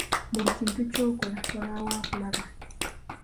Buli kintu ky’okola wabaawo akulaba.